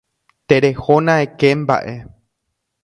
Terehóna eke mba'e.